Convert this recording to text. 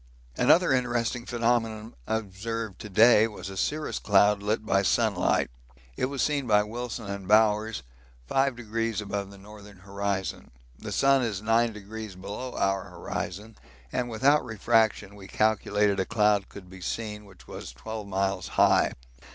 Another interesting phenomenon observed to day was a cirrus cloud lit by sunlight. It was seen by Wilson and Bowers 5° above the northern horizon the sun is 9° below our horizon, and without refraction we calculate a cloud could be seen which was 12 miles high.